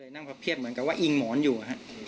นั่งพับเครียดเหมือนกับว่าอิงหมอนอยู่